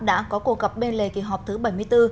đã có cuộc gặp bên lề kỳ họp thứ bảy mươi bốn